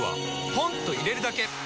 ポンと入れるだけ！